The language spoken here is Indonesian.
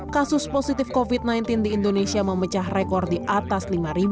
kasus positif covid sembilan belas di indonesia memecah rekor di atas lima